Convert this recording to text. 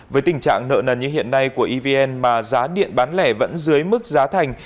với tình trạng nợ nần như hiện nay của evn mà giá điện bán lẻ vẫn dưới mức giá thành